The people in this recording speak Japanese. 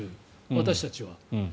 私たちは。